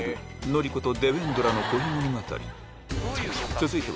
続いては